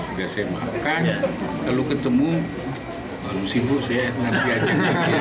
sudah saya maafkan lalu ketemu lalu sibuk saya nanti aja